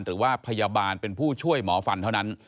หรือว่าพยาบาลเป็นผู้ช่วยหมอฟันเท่านั้น